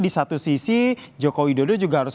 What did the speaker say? di satu sisi jokowi dodo juga harus